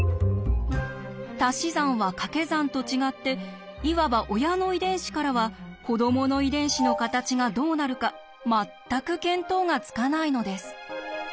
たし算はかけ算と違っていわば親の遺伝子からは子どもの遺伝子の形がどうなるか全く見当がつかないのです。